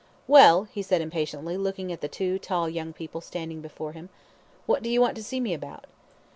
"Well," he said impatiently, looking at the two tall young people standing before him, "what do you want to see me about?"